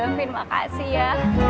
aduh daffin makasih ya